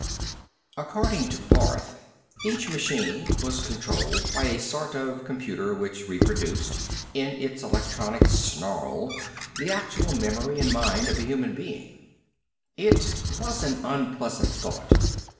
According to Barth, each machine was controlled by a sort of computer which reproduced, in its electronic snarl, the actual memory and mind of a human being. It was an unpleasant thought.